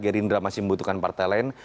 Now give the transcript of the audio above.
gerindra masih membutuhkan partai lain